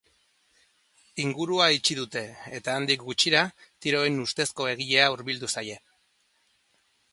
Ingurua itxi dute, eta handik gutxira, tiroen ustezko egilea hurbildu zaie.